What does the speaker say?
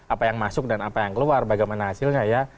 apa yang masuk dan apa yang keluar bagaimana hasilnya ya